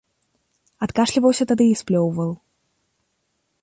Адкашліваўся тады і сплёўваў.